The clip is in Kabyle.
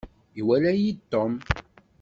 Iwala-yi-d Tom.